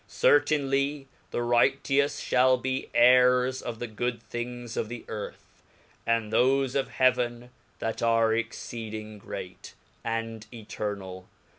Certainly the righteous fhal I be heirs of the good thin^gsof the earth, and thofe of hea ven that are exceeding great, and eternall